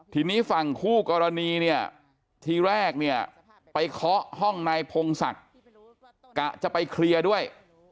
ทีนี้ฝั่งคู่กรณีเนี่ยทีแรกเนี่ยไปเคาะห้องนายพงศักดิ์กะจะไปเคลียร์ด้วย